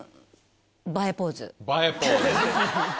映えポーズ。